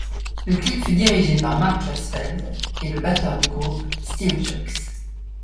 Le clip fut dirigé par Mark Klasfeld et le batteur du groupe Steve Jocz.